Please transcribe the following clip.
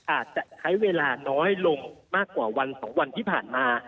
อาจจะใช้เวลาน้อยลงมากกว่าวัน๒วันที่ผ่านมา